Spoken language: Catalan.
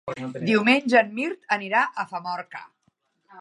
Diumenge en Mirt anirà a Famorca.